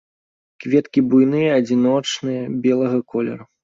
Кветкі буйныя, адзіночныя, белага колеру.